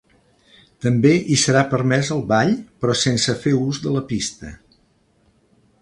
També hi serà permès el ball, però sense fer ús de la pista.